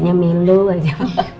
dengar dengar ya